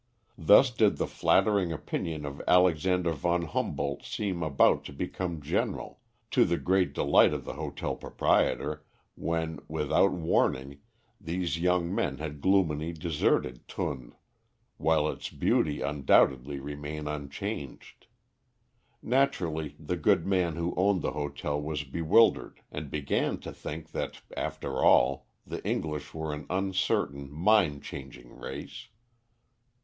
Thus did the flattering opinion of Alexander von Humboldt seem about to become general, to the great delight of the hotel proprietor, when, without warning, these young men had gloomily deserted Thun, while its beauty undoubtedly remained unchanged. Naturally the good man who owned the hotel was bewildered, and began to think that, after all, the English were an uncertain, mind changing race.